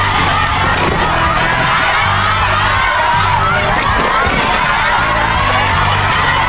ฝั่งทาง